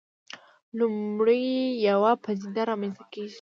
لومړی یوه پدیده رامنځته کېږي.